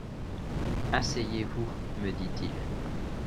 Asseyez-vous, me dit-il